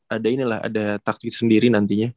ada taktik sendiri nantinya